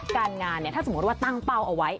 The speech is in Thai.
การงานเนี่ยถ้าสมมุติว่าตั้งเป้าเอาไว้